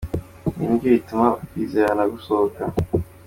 Ibi ni byo bituma ukwizerana gushoboka.